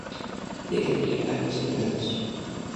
De què tenia ganes a vegades?